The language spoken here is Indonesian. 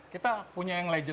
kita punya yang legendar